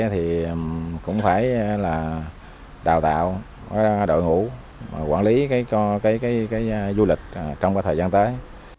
thì cũng phải là đào tạo đội ngũ quản lý cho cái du lịch trong thời gian tới